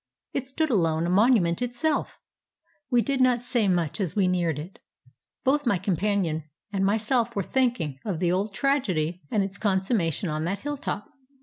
It stood alone, a monument itself! We did not say much as we neared it. Both my companion and my self were thinking of the old tragedy and its consumma tion on that hilltop.